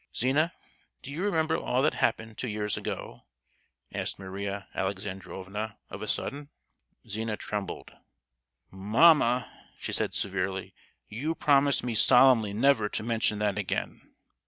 "Zina, do you remember all that happened two years ago?" asked Maria Alexandrovna of a sudden. Zina trembled. "Mamma!" she said, severely, "you promised me solemnly never to mention that again."